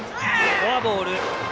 フォアボール。